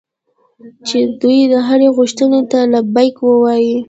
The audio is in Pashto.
چې د دوی هرې غوښتنې ته لبیک ووایي.